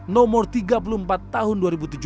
nomor tiga puluh empat tahun dua ribu tujuh belas